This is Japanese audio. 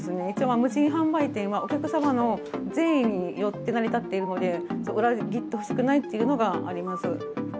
無人販売店はお客様の善意によって成り立っているので、裏切ってほしくないというのはあります。